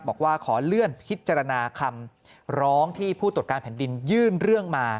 บอกว่าขอเลื่อนพิจารณาคำร้องที่ผู้ตรวจการแผ่นดินยื่นเรื่องมา